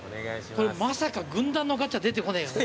これまさか軍団のガチャ出てこねえよな？